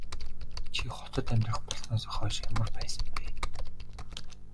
Чи хотод амьдрах болсноосоо хойш ямар байсан бэ?